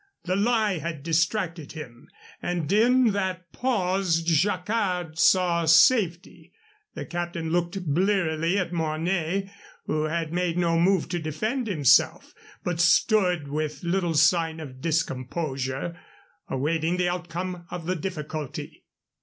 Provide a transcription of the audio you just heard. The lie had distracted him, and in that pause Jacquard saw safety. The captain looked blearily at Mornay, who had made no move to defend himself, but stood with little sign of discomposure, awaiting the outcome of the difficulty.